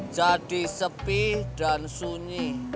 jadi sepi dan sunyi